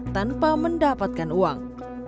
tanpa mendapatkan uang